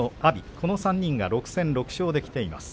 この３人が６戦６勝ときています。